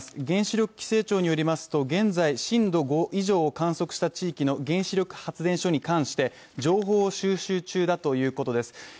原子力規制庁によりますと現在震度５以上を観測した地域の原子力発電所に関して情報収集中だということです。